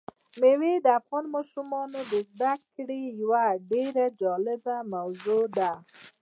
مېوې د افغان ماشومانو د زده کړې یوه ډېره جالبه موضوع ده.